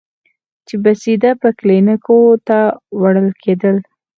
چې بېسده به کلينيکو ته وړل کېدل.